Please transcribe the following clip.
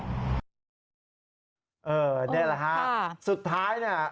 นี่แหละฮะสุดท้ายเนี่ย